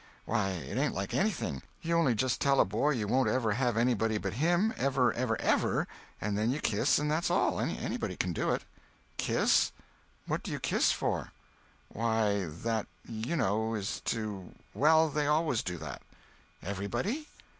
Why it ain't like anything. You only just tell a boy you won't ever have anybody but him, ever ever ever, and then you kiss and that's all. Anybody can do it." "Kiss? What do you kiss for?" "Why, that, you know, is to—well, they always do that." "Everybody?"